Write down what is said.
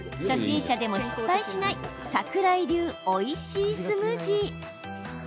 初心者でも失敗しない櫻井流おいしいスムージー。